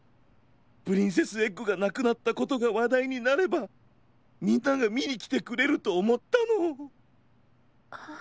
プリンセスエッグがなくなったことがわだいになればみんながみにきてくれるとおもったの。